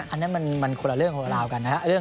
อันนั้นมันคนละเรื่องคนละราวกันนะครับ